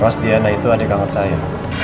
ros diana itu adik angkat saya